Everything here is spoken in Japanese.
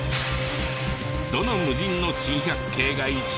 どの無人の珍百景が一番？